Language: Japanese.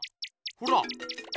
ほら。